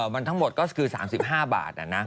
มันทั้งหมดก็คือ๓๕บาท